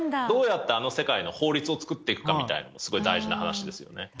どうやってあの世界の法律を作っていくかみたいなの、すごい大事な話ですよね。